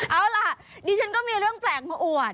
เอาล่ะดิฉันก็มีเรื่องแปลกมาอวด